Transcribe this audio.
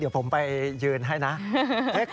ได้เวลาตรวจสอบสภาพอากาศทั่วไทยแล้ว